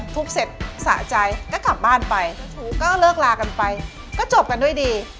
ทุบเสร็จสะใจก็กลับบ้านไปก็เลิกลากันไปก็จบกันด้วยดี